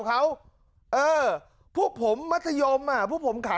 นักเรียงมัธยมจะกลับบ้าน